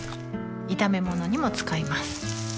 炒め物にも使います